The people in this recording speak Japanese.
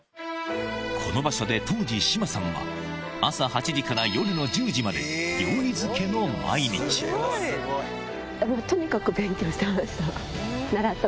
この場所で、当時、志麻さんは、朝８時から夜の１０時まで、とにかく勉強してました。